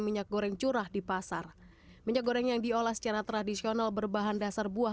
minyak goreng curah di pasar minyak goreng yang diolah secara tradisional berbahan dasar buah